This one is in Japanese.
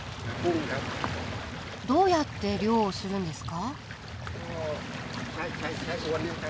どうやって漁をするんですか？